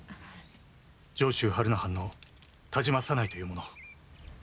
上州榛名藩の田島左内という者を？